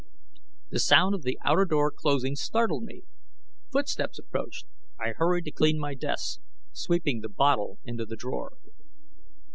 The sound of the outer door closing startled me. Footsteps approached; I hurried to clean my desk, sweeping the bottle into the drawer.